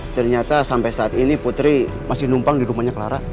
ternyata sampai saat ini putri masih numpang di rumahnya clara